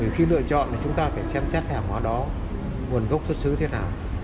khi lựa chọn thì chúng ta phải xem xét hẻo hóa đó nguồn gốc xuất xứ thế nào